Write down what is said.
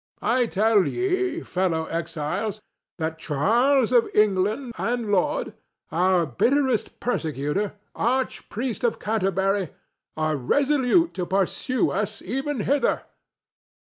—I tell ye, fellow exiles, that Charles of England and Laud, our bitterest persecutor, arch priest of Canterbury, are resolute to pursue us even hither.